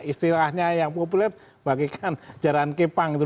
istilahnya yang populer bagaikan jaran kepang gitu